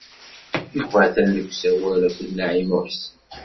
Yuba atan deg usawal akked Naɛima u Ḥsen.